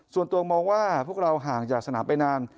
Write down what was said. ส่วนตัวมองว่าพวกเราห่างจากสนามไปนาน